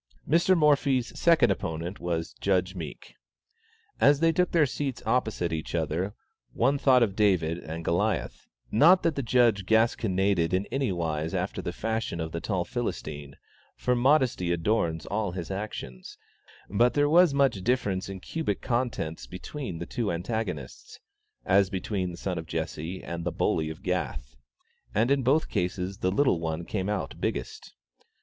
Mr. Morphy's second opponent was Judge Meek. As they took their seats opposite each other, one thought of David and Goliath; not that the Judge gasconaded in any wise after the fashion of the tall Philistine, for modesty adorns all his actions; but there was as much difference in cubic contents between the two antagonists, as between the son of Jesse and the bully of Gath, and in both cases the little one came out biggest.